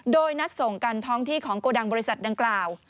โดยนัดส่งกันท้องที่ของโกดังบริษัทดังกล่าว